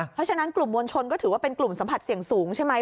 เพราะฉะนั้นกลุ่มมวลชนก็ถือว่าเป็นกลุ่มสัมผัสเสี่ยงสูงใช่ไหม